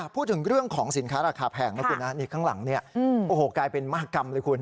พูดถึงเรื่องของสินค้าราคาแพงข้างหลังกลายเป็นมากรรมเลยคุณ